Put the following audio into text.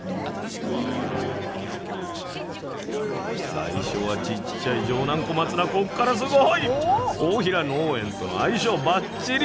スタジオ最初はちっちゃい城南小松菜こっからすごい！大平農園との相性ばっちり。